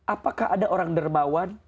apakah ada orang dermawan